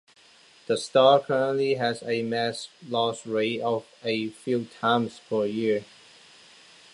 The star currently has a mass loss rate of a few times per year.